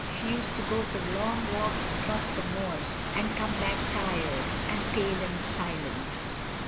She used to go for long walks across the moors and come back tired and pale and silent.